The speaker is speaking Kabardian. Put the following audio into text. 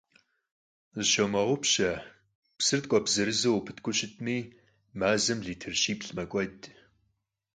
Зыщумыгъэгъупщэ: псыр ткӀуэпс зырызу къыпыткӀуу щытми, мазэм литр щиплӀ мэкӀуэд.